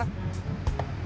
kita harus berpikir